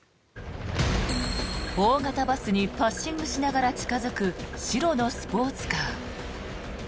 大型バスにパッシングしながら近付く白のスポーツカー。